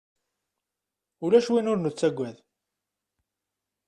Ulac win ur nettaggad